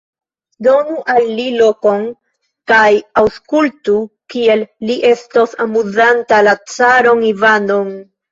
Donu al li lokon kaj aŭskultu, kiel li estos amuzanta la caron Ivanon!